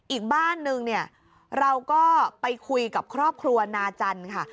อีกบ้านนึงเนี่ยเราก็ไปคุยกับครอบครัวนาจันทร์ค่ะ